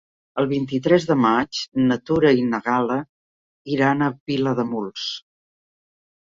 El vint-i-tres de maig na Tura i na Gal·la iran a Vilademuls.